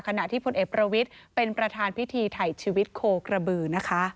ขณะที่พลเอกประวิทย์เป็นประธานพิธีถ่ายชีวิตโคกระบือนะคะ